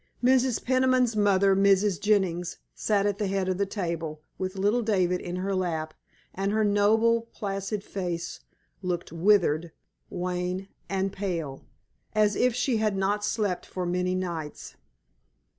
Mrs. Peniman's mother, Mrs. Jennings, sat at the head of the table, with little David in her lap, and her noble placid face looked withered, wan and pale, as if she had not slept for many nights.